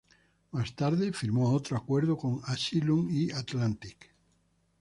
Más tarde, firmó otro acuerdo con Asylum y Atlantic.